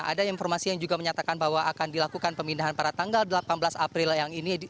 ada informasi yang juga menyatakan bahwa akan dilakukan pemindahan pada tanggal delapan belas april yang ini